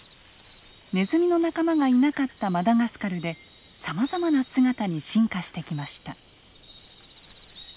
ネズミの仲間がいなかったマダガスカルでさまざまな姿に進化してきました。